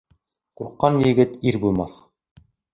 Ҡурҡҡан егет ир булмаҫ.